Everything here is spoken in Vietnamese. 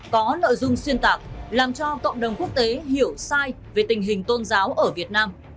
có nội dung xuyên tạc làm cho cộng đồng quốc tế hiểu sai về tình hình tôn giáo ở việt nam